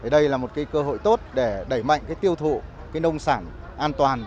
đây là một cơ hội tốt để đẩy mạnh tiêu thụ nông sản an toàn